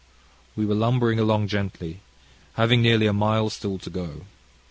We were lumbering along gently, having nearly a mile still to go.